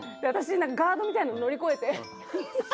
私ガードみたいなの乗り越えて。